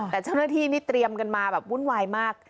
แต่เจ้าหน้าที่นี่เตรียมกันมาแบบวุ่นวายมาก